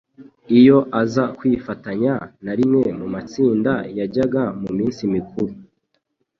Iyo aza kwifatanya na rimwe mu matsinda yajyaga mu minsi mikuru,